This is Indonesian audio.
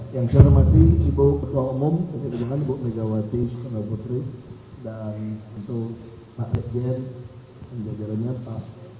yang saya hormati ibu ketua umum ibu negawati ibu ketua putri dan pak ejen dan jadwal nyata